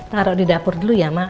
minah taro di dapur dulu ya mak